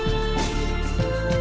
để ủng hộ chi phí with you